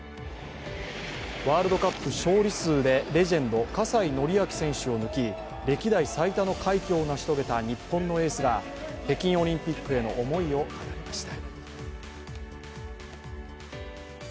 ワールドカップ勝利数でレジェンド・葛西紀明選手を抜き歴代最多の快挙を成し遂げた日本のエースが北京オリンピックへの思いを語りました。